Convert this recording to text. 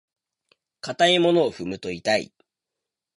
硬いものを踏むと痛い。